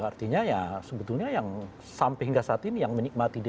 artinya ya sebetulnya yang sampai hingga saat ini yang menikmati